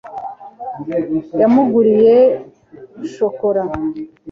yamuguriye shokora